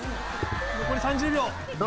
残り３０秒。